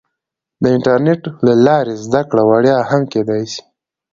د انټرنیټ له لارې زده کړه وړیا هم کیدای سي.